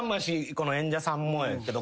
この演者さんもやけど。